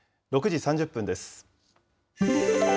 ６時３０分です。